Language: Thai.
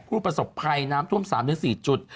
ผู้ประสบภัยน้ำท่วม๓๔จุด